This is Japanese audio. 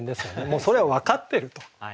もうそりゃ分かってると。